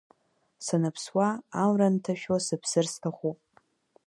Саныԥсуа, амра анҭашәо сыԥсыр сҭахуп.